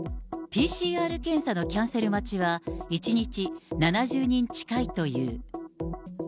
ＰＣＲ検査のキャンセル待ちは、１日７０人近いという。